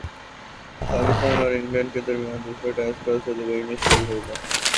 پاکستان اور انگلینڈ کے درمیان دوسرا ٹیسٹ کل سے دبئی میں شروع ہوگا